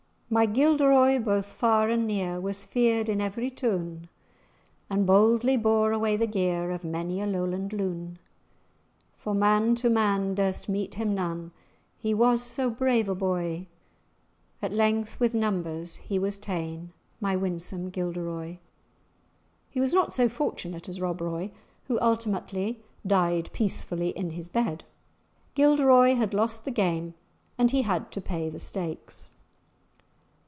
"My Gilderoy, both far and near, Was feared in every town; And boldly bore away the gear Of many a Lowland loun, For man to man durst meet him none, He was so brave a boy; At length with numbers he was ta'en, My winsome Gilderoy." He was not so fortunate as Rob Roy, who ultimately died peacefully in his bed. Gilderoy had lost the game, and he had to pay the stakes.